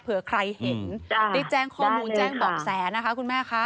เผื่อใครเห็นได้แจ้งข้อมูลแจ้งเบาะแสนะคะคุณแม่คะ